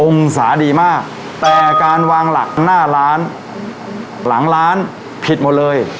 องศาดีมากแต่การวางหลักหน้าร้านหลังร้านผิดหมดเลย